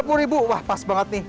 tiga puluh rupiah wah pas banget nih